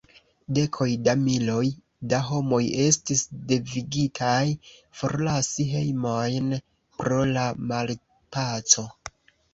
Dekoj da miloj da homoj estis devigitaj forlasi hejmojn pro la malpaco.